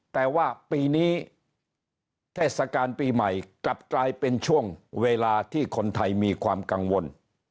แต่ว่าปีนี้เทศกาลปีใหม่กลับกลายเป็นช่วงเวลาที่คนไทยมีความกังวล